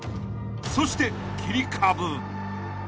［そして切り株］